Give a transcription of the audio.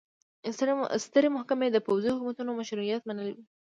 سترې محکمې د پوځي حکومتونو مشروعیت منلی و.